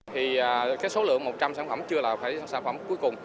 thì số lượng một trăm linh sản phẩm chưa là sản phẩm cuối cùng